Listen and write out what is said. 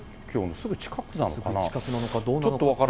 すぐ近くなのかどうなのかと。